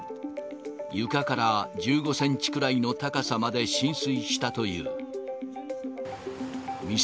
床から１５センチくらいの高さまで浸水したという。